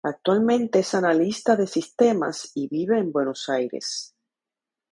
Actualmente es analista de sistemas y vive en Buenos Aires.